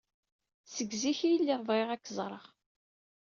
Seg zik ay lliɣ bɣiɣ ad k-ẓreɣ.